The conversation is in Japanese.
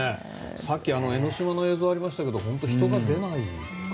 さっき江の島の映像ありましたけど人が出ないから。